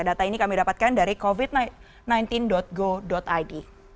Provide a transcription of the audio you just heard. data ini kami dapatkan dari covid sembilan belas go id